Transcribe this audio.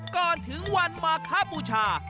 ก่อนถึงวันมาคบูชา